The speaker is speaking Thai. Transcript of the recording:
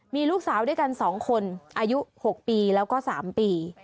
มีลูกสาวด้วยกันสองคนอายุหกปีแล้วก็สามปี